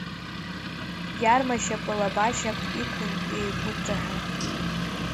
Иарма шьапы лабашьак иқәын еиқәыҿаҳәа.